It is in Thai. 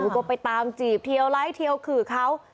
ก็ไปตามจีบเทียวไลค์เทียวขื่อเขา